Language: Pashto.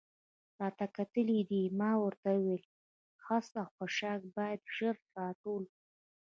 راته کتل دې؟ ما ورته وویل: خس او خاشاک باید ژر را ټول کړو.